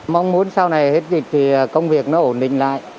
mong muốn sau này hết dịch thì công việc nó ổn định lại